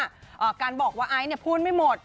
อ่าการบอกว่าไอซ์เนี่ยพูดไม่หมด